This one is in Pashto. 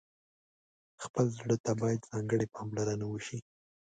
خپل زړه ته باید ځانګړې پاملرنه وشي.